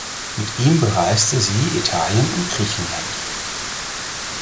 Mit ihm bereiste sie Italien und Griechenland.